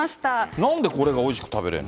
なんでこれが、おいしく食べれるの？